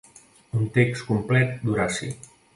Un text complet d’Horaci.